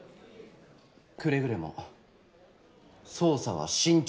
くれぐれも捜査は慎重に。